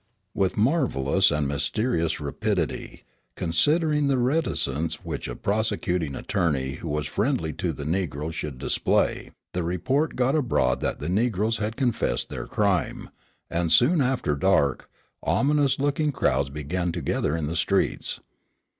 With marvelous and mysterious rapidity, considering the reticence which a prosecuting attorney who was friendly to the negroes should display, the report got abroad that the negroes had confessed their crime, and soon after dark, ominous looking crowds began to gather in the streets.